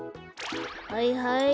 はいはい。